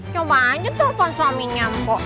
coba aja telfon suaminya mpo